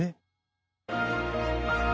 えっ？